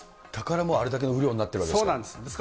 だからもう、あれだけの雨量になっているんですか。